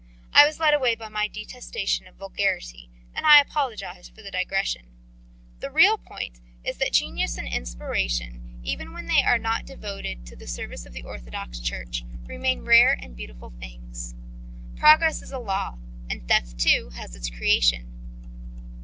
I was led away by my detestation of vulgarity and I apologise for the digression. The real point is that genius and inspiration, even when they are not devoted to the service of the Orthodox Church, remain rare and beautiful things. Progress is a law and theft too has its creation.